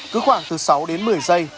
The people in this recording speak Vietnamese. cứ khoảng từ sáu đến một mươi giây